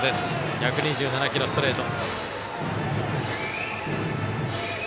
１２７キロ、ストレート。